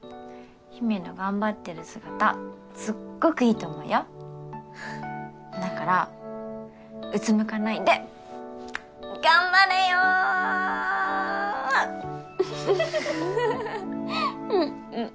陽芽の頑張ってる姿すっごくいいと思うよだからうつむかないで頑張れようんうん